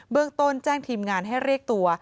เรื่องต้นแจ้งทีมงานให้เรียกตัว